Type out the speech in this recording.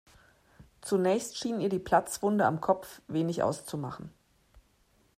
Zunächst schien ihr die Platzwunde am Kopf wenig auszumachen.